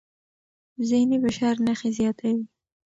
ذهني فشار نښې زیاتوي.